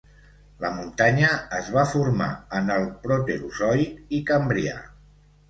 La muntanya es va formar en el Proterozoic i Cambrià.